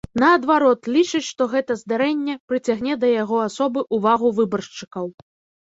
Наадварот, лічыць, што гэта здарэнне прыцягне да яго асобы ўвагу выбаршчыкаў.